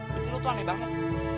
berarti lo tuh aneh banget